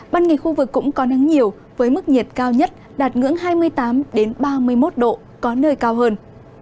ban ngày khu vực cũng có nắng nhiều với mức nhiệt cao nhất đạt ngưỡng hai mươi tám ba mươi một độ có nơi cao hơn